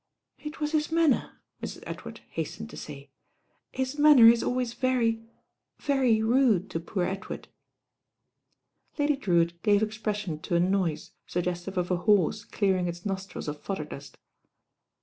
It was hit manner," Mn. Edward hastened to •ay. His manner is always very— very rude to poor Edward." Lady Drewitt gave expression to a nois<^ sugges tivc of a horse clearing its nostrils of fodderniust.